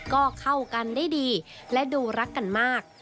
ก็เข้ากันได้ดีและดูรักกันมาก